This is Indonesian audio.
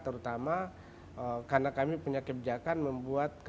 terutama karena kami punya kebijakan membuat kartu pendidikan